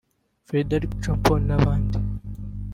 Frederic Chopin n’abandi